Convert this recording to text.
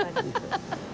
ハハハハ！